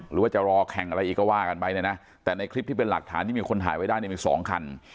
หรือว่าจะรอแข่งอะไรอีกก็ว่ากันไปเนี่ยนะแต่ในคลิปที่เป็นหลักฐานที่มีคนถ่ายไว้ได้เนี่ยมีสองคัน